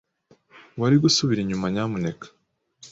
Wari gusubira inyuma, nyamuneka?